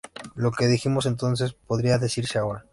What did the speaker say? Lo que dijimos entonces podría decirse ahora.